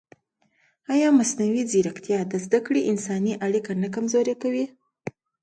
ایا مصنوعي ځیرکتیا د زده کړې انساني اړیکه نه کمزورې کوي؟